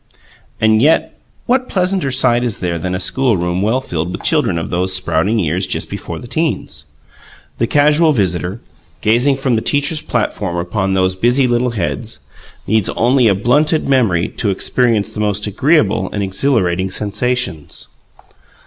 And yet what pleasanter sight is there than a schoolroom well filled with children of those sprouting years just before the 'teens? The casual visitor, gazing from the teacher's platform upon these busy little heads, needs only a blunted memory to experience the most agreeable and exhilarating sensations.